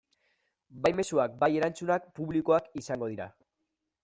Bai mezuak bai erantzunak publikoak izango dira.